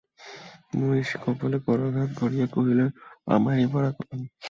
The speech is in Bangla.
মহিষী কপালে করাঘাত করিয়া কহিলেন, আমারই পোড়া কপাল!